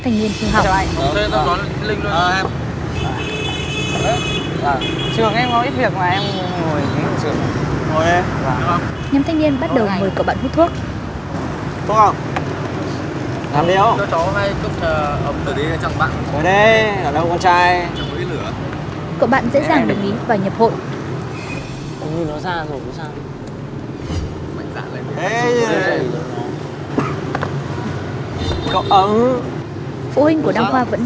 hai thanh niên hư hỏng trong nhóm bạn